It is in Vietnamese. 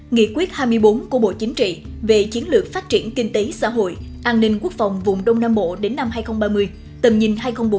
nghị quyết hai mươi bốn của bộ chính trị về chiến lược phát triển kinh tế xã hội an ninh quốc phòng vùng đông nam bộ đến năm hai nghìn ba mươi tầm nhìn hai nghìn bốn mươi